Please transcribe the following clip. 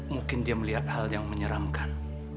mungkin dia melihat hal yang menyeramkan